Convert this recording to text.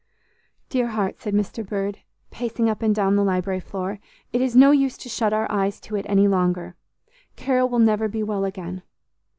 "Dear heart," said Mr. Bird, pacing up and down the library floor, "it is no use to shut our eyes to it any longer; Carol will never be well again.